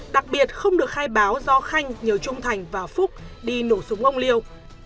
đặc biệt không được khai báo do khanh nhờ trung thành và phúc đi nổ súng ông liêu